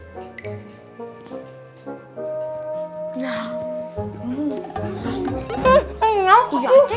masih kenyang bu iya udah